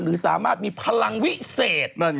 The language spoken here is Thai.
หรือสามารถมีพลังวิเศษ